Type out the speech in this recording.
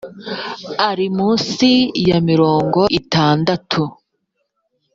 ari munsi ya mirongo itandatu